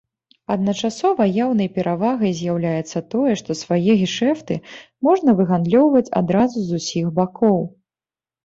Адначасова яўнай перавагай з'яўляецца тое, што свае гешэфты можна выгандлёўваць адразу з усіх бакоў.